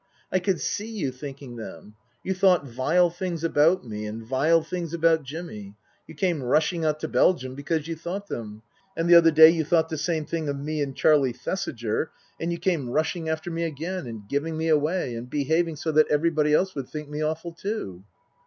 I could see you thinking them. You thought vile things about me, and vile things about Jimmy. You came rushing out to Belgium because you thought them. And the other day you thought the same thing of me and Charlie Thesiger, and you came rushing after Book III: His Book 277 me again and giving me away, and behaving so that every body else would think me awful too."